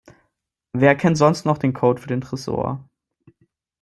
Wer kennt sonst noch den Code für den Tresor?